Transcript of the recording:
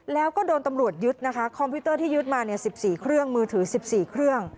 แล้วก็โดนตำรวจยึดนะคะคอมพิวเตอร์ที่ยึดมา๑๔เครื่องมือถือ๑๔เครื่อง